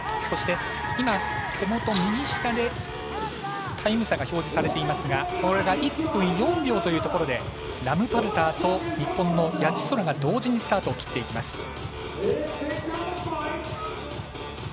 そして、手元右下でタイム差が表示されていますがこれが１分４秒というところでラムパルターと日本の谷地宙が同時にスタートを切っていきます。